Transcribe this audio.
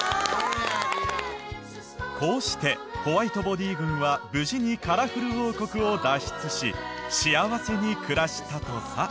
こうしてホワイトボディ軍は無事にカラフル王国を脱出し幸せに暮らしたとさ。